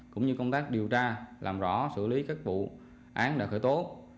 cũng như công tác điều tra làm rõ xử lý các vụ án đã khởi tố